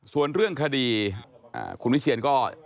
ส่วนเรื่องคดีคุณวิเชียนก็